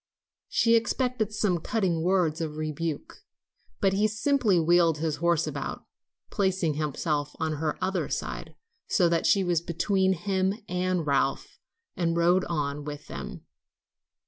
She expected some cutting word of rebuke, but he simply wheeled his horse about, placing himself on her other side, so that she was between him and Ralph, and rode on with them.